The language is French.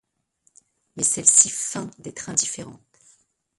Mais celle-ci feint d'être indifférente.